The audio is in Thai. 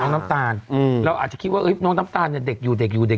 แล้วอาจจะคิดว่าน้องตำตาลได้เด็กอยู่